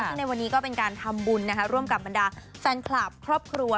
ซึ่งในวันนี้ก็เป็นการทำบุญร่วมกับบรรดาแฟนคลับครอบครัว